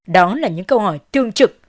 đó là những câu hỏi tương trực